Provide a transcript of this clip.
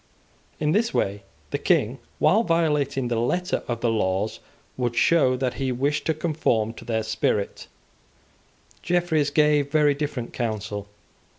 In this way the King, while violating the letter of the laws, would show that he wished to conform to their spirit, Jeffreys gave very different counsel.